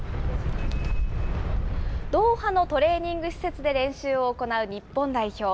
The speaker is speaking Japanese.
ドーハのトレーニング施設で練習を行う日本代表。